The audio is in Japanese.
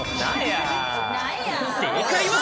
正解は。